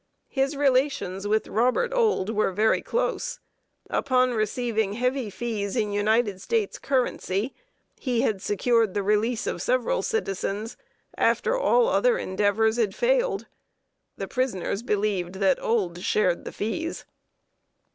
His relations with Robert Ould were very close. Upon receiving heavy fees in United States currency, he had secured the release of several citizens, after all other endeavors failed. The prisoners believed that Ould shared the fees.